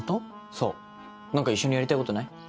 そう何か一緒にやりたいことない？